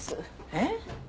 えっ？